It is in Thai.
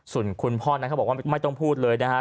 ส่วนคุณพ่อนั้นเขาบอกว่าไม่ต้องพูดเลยนะฮะ